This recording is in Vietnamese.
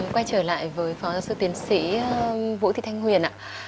quay trở lại với phó giáo sư tiến sĩ vũ thị thanh huyền ạ